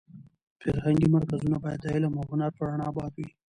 فرهنګي مرکزونه باید د علم او هنر په رڼا اباد وي.